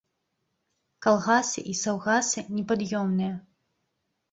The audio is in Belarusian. Калгасы і саўгасы непад'ёмныя.